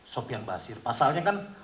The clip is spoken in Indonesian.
sofian basir pasalnya kan